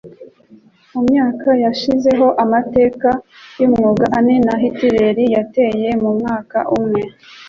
Mu myaka yashyizeho amateka yumwuga ane nta-hitireri yateye mu mwaka umwe